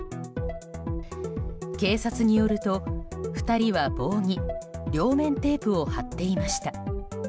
警察によると、２人は棒に両面テープを貼っていました。